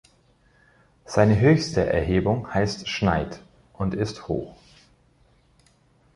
Seine höchste Erhebung heißt "Schneid" und ist hoch.